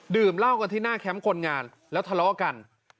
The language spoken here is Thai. ดื่มเหล้ากันที่หน้าแคมป์คนงานแล้วทะเลาะกัน